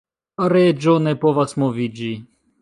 Reĝo ne povas moviĝi.